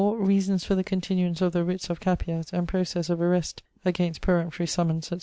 Reasons for the continuance of the writs of capias and proces of arrest against peremptory summons, etc.